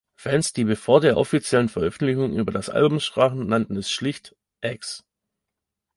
Fans, die bevor der offiziellen Veröffentlichung über das Album sprachen, nannten es schlicht "X".